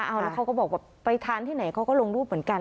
เอาแล้วเขาก็บอกว่าไปทานที่ไหนเขาก็ลงรูปเหมือนกัน